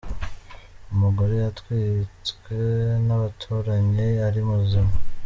Umugore yatwitswe n’abaturanyi ari muzima